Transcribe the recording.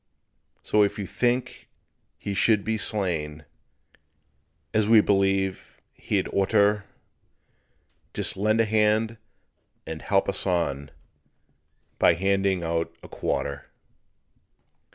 So if you think he should be slain, As we believe he'd or'ter, Just lend a hand and help us on By handing out a quarter.